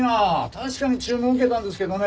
確かに注文受けたんですけどね